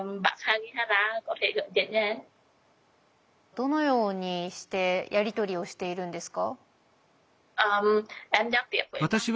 どのようにしてやり取りをしているんですか？